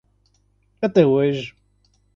Até hoje.